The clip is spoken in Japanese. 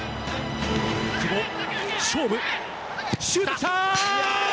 久保、勝負シュート来た！